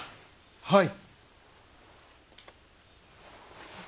はい。